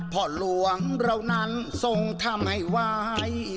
พ่อหลวงเรานั้นส่งทำให้ฝนหลวงหาย